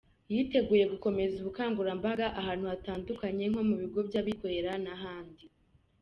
Yiteguye gukomeza ubukangurambaga ahantu hatandukanye nko mu bigo by’abikorera n’ahandi.